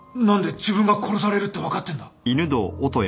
何で自分が殺されるって分かってんだ